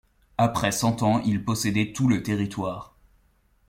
Après cent ans ils possédaient tout le territoire.